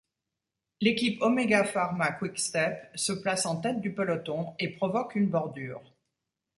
L'équipe Omega Pharma-Quick Step se place en tête du peloton et provoque une bordure.